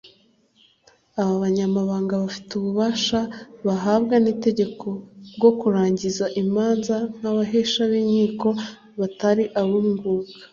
Aba banyamabanga bafite ububasha bahabwa n’itegeko bwo kurangiza imanza nk’abahesha b’inkiko batari ab’umwuga